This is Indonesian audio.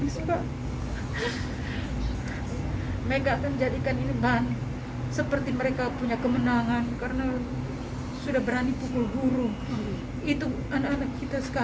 saya tidak mau menangis pak